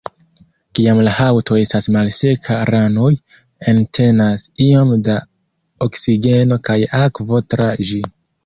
Kiam la haŭto estas malseka, ranoj entenas iom da oksigeno kaj akvo tra ĝi.